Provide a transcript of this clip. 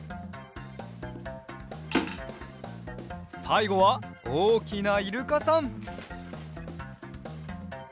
さいごはおおきなイルカさん。